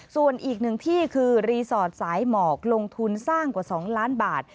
ส่วนอีกหนึ่งที่คือรีสอร์ทสายหมอกลงทุนสร้างกว่า๒ล้านบาท